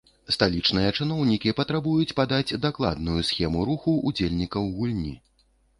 Сталічныя чыноўнікі патрабуюць падаць дакладную схему руху ўдзельнікаў гульні.